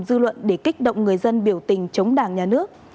dư luận để kích động người dân biểu tình chống đảng nhà nước